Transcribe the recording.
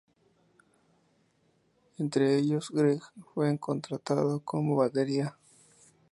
Entre ellos, Gregg fue contratado como batería.